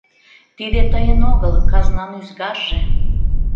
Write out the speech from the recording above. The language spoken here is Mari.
Тиде тыйын огыл, казнан ӱзгарже.